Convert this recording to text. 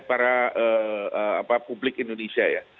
para publik indonesia ya